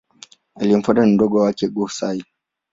Aliyemfuata ni mdogo wake Go-Sai.